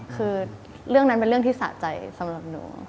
คือเรื่องนั้นเป็นเรื่องที่สะใจสำหรับหนู